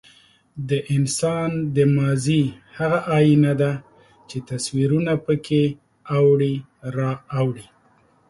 د انسان د ماضي هغه ایینه ده، چې تصویرونه پکې اوړي را اوړي.